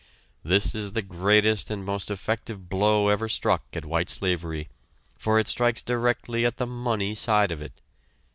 This is the greatest and most effective blow ever struck at white slavery, for it strikes directly at the money side of it.